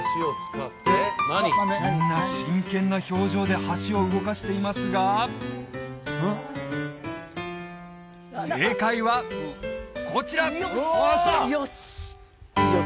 みんな真剣な表情で箸を動かしていますが正解はこちら！